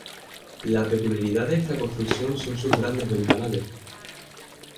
La peculiaridad de esta construcción son sus grandes ventanales.